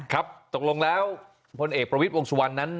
ครับตกลงแล้วพลเอกประวิทย์วงสุวรรณนั้น